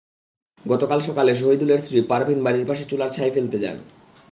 গতকাল সকালে সহিদুলের স্ত্রী পারভিন বাড়ির পাশে চুলার ছাই ফেলতে যান।